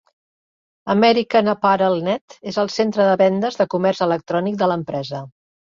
AmericanApparel.net és el centre de vendes de comerç electrònic de l'empresa.